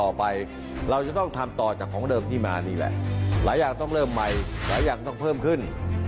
ต่อไปเราจะต้องทำต่อจากของเดิมที่มานี่แหละหลายอย่างต้องเริ่มใหม่หลายอย่างต้องเพิ่มขึ้น